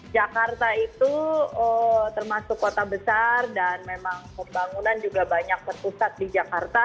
jakarta itu termasuk kota besar dan memang pembangunan juga banyak berpusat di jakarta